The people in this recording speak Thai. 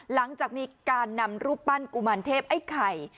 หลังจากมีการนำรูปปั้นกุมารเทพไอ้ไข่